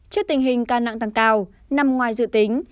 trước tình hình ca nặng tăng cao nằm ngoài dự tính